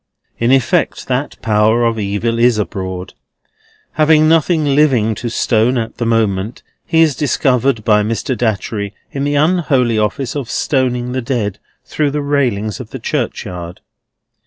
In effect, that Power of Evil is abroad. Having nothing living to stone at the moment, he is discovered by Mr. Datchery in the unholy office of stoning the dead, through the railings of the churchyard.